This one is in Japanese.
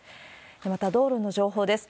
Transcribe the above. また、道路の情報です。